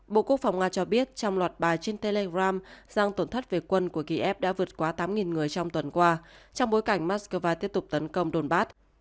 bộ quốc phòng nga cho biết trong loạt bài trên telegram rằng tổn thất về quân của kiev đã vượt quá tám người trong tuần qua trong bối cảnh moscow tiếp tục tấn công đồn bát